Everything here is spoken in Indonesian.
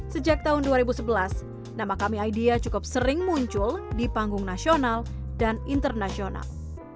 sejak tahun dua ribu sebelas nama kami idea cukup sering muncul di panggung nasional dan internasional